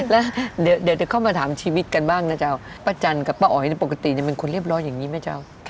แล้วเดี๋ยวเข้ามาถามชีวิตกันบ้างนะเจ้าป้าจันกับป้าอ๋อยปกติจะเป็นคนเรียบร้อยอย่างนี้ไหมเจ้า